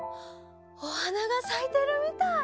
おはながさいてるみたい。